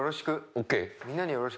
ＯＫ！